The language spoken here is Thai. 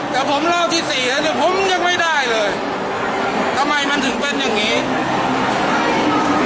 แต่ผมรอบที่สี่แล้วเนี่ยผมยังไม่ได้เลยทำไมมันถึงเป็นอย่างงี้